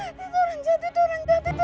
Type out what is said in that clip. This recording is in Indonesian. ada orang jatuh ada orang jatuh